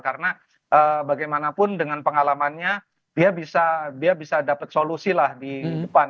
karena bagaimanapun dengan pengalamannya dia bisa dapat solusi lah di depan